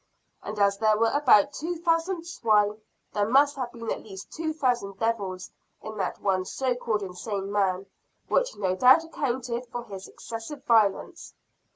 And as there were about two thousand swine, there must have been at least two thousand devils in that one so called insane man; which no doubt accounted for his excessive violence.